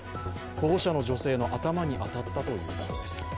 保護者の女性の頭に当たったということです。